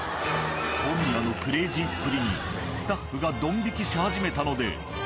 小宮のクレイジーっぷりにスタッフがドン引きし始めたので。